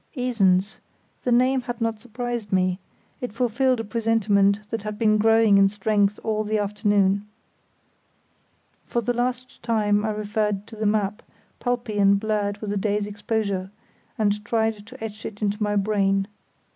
Esens—the name had not surprised me; it fulfilled a presentiment that had been growing in strength all the afternoon. For the last time I referred to the map, pulpy and blurred with the day's exposure, and tried to etch it into my brain.